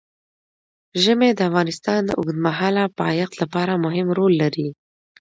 ژمی د افغانستان د اوږدمهاله پایښت لپاره مهم رول لري.